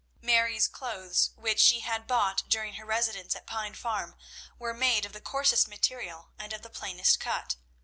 Mary's clothes, which she had bought during her residence at Pine Farm, were made of the coarsest material and of the plainest cut.